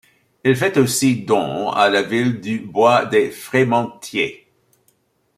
Il fait aussi don à la ville du bois de Frémontiers.